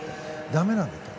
だめなんだと。